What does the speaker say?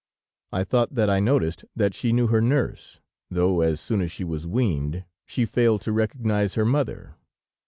I thought that I noticed that she knew her nurse, though as soon as she was weaned, she failed to recognize her mother.